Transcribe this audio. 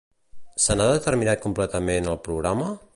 Se n'ha determinat completament el programa?